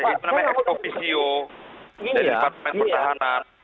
itu namanya ekstrovisio dari departemen pertahanan